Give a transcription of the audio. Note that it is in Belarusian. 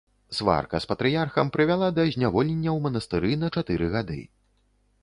Сварка з патрыярхам прывяла да зняволення ў манастыры на чатыры гады.